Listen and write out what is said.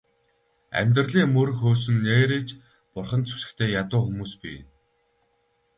Амьдралын мөр хөөсөн нээрээ ч бурханд сүсэгтэй ядуу хүмүүс бий.